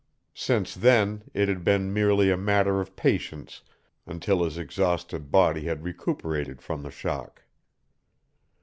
Since then it had been merely a matter of patience until his exhausted body had recuperated from the shock.